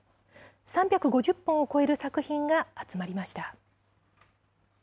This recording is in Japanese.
３５０本を超える作品が集まりました。